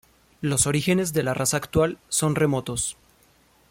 Los orígenes de la raza actual son remotos.